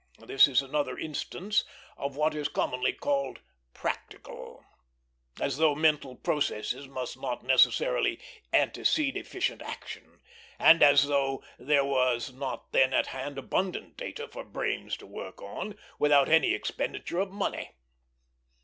This is another instance of what is commonly called "practical;" as though mental processes must not necessarily antecede efficient action, and as though there was not then at hand abundant data for brains to work on, without any expenditure of money.